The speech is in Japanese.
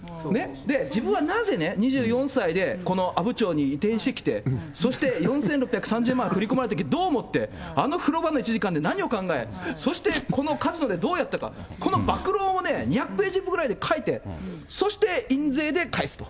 自分はなぜね、２４歳で、この阿武町に移転してきて、そして４６３０万円振り込まれたとき、どう思って、あの風呂場の１時間で何を考え、そして、このカジノでどうやったか、この暴露本を２００ページぐらいで書いて、そして印税で返すと。